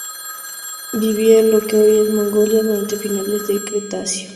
Vivía en lo que hoy es Mongolia durante finales del Cretácico.